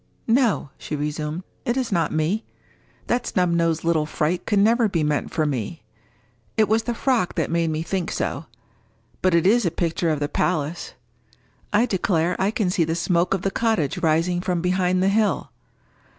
—No," she resumed, "it is not me. That snub nosed little fright could never be meant for me! It was the frock that made me think so. But it is a picture of the place. I declare, I can see the smoke of the cottage rising from behind the hill!